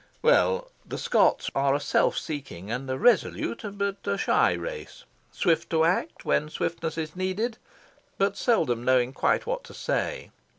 Well, the Scots are a self seeking and a resolute, but a shy, race; swift to act, when swiftness is needed, but seldom knowing quite what to say.